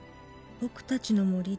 僕たちの森。